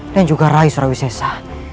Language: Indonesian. dan juga rai surawisesa